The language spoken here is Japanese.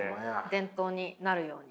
伝統になるように。